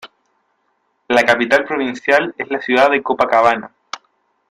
La capital provincial es la ciudad de Copacabana.